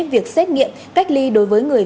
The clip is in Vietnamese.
việc xét nghiệm cách ly đối với người